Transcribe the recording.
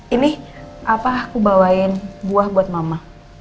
ini apa aku bawain buah buat mama